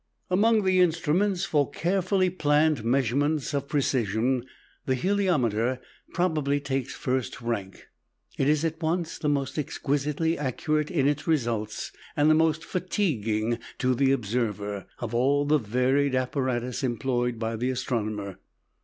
Among the instruments for carefully planned measurements of precision the heliometer probably takes first rank. It is at once the most exquisitely accurate in its results, and the most fatiguing to the observer, of all the varied apparatus employed by the astronomer.